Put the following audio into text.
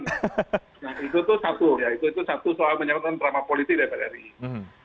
nah itu tuh satu ya itu satu soal menyangkut drama politik dpr ri